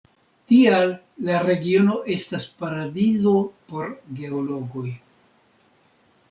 Tial la regiono estas paradizo por geologoj.